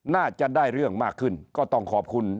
น่าจะได้เรื่องมากขึ้นก็ต้องขอบคุณ